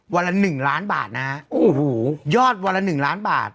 ละหนึ่งล้านบาทนะฮะโอ้โหยอดวันละหนึ่งล้านบาท